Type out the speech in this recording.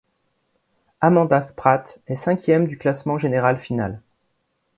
Amanda Spratt est cinquième du classement général final.